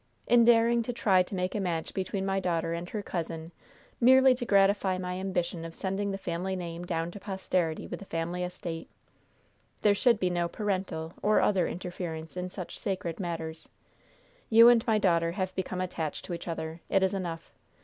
In daring to try to make a match between my daughter and her cousin merely to gratify my ambition of sending the family name down to posterity with the family estate. There should be no 'parental' or other interference in such sacred matters. You and my daughter have become attached to each other. It is enough.